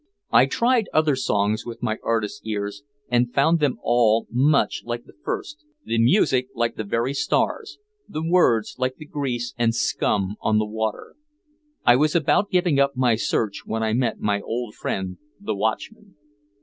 I tried other songs with my artist's ears and found them all much like the first, the music like the very stars, the words like the grease and scum on the water. I was about giving up my search when I met my old friend, the watchman.